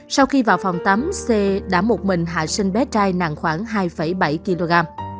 sau khi vào phòng tắm c đã một mình hạ sinh bé trai nặng khoảng hai bảy kg